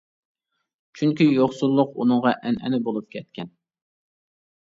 چۈنكى يوقسۇللۇق ئۇنىڭغا ئەنئەنە بولۇپ كەتكەن.